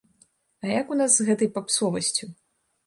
А як у нас з гэтай папсовасцю?